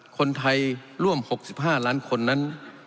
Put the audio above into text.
คนไทยร่วม๖๕ล้านคนนั้น